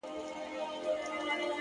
په هوا یمه شیريني په هوا یم په سفر کي